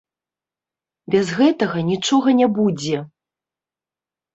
Без гэтага нічога не будзе.